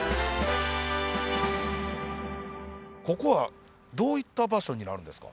ここはどういった場所になるんですか？